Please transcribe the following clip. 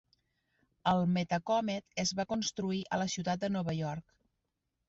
El "Metacomet" es va construir a la ciutat de Nova York.